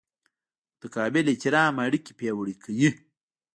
متقابل احترام اړیکې پیاوړې کوي.